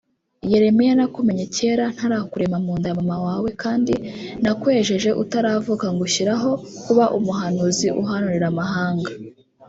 “Yeremiya nakumenye kera ntarakurema mu nda ya mama wawe kandi nakwejeje utaravuka ngushyiriraho kuba umuhanuzi uhanurira amahanga